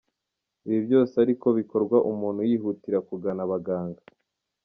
Ibi byose ariko bikorwa umuntu yihutira kugana abaganga.